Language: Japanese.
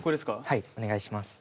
はいお願いします。